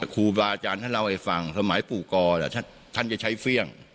ครูปุกค์อาจารย์ข้าเล่าให้ฟังสมัยปู่กรจะใช้ฟี่ยง